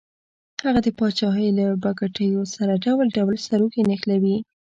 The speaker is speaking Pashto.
هغه د پاچاهۍ له بګتیو سره ډول ډول سروکي نښلوي.